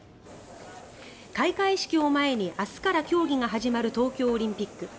開会式を前に、明日から競技が始まる東京オリンピック。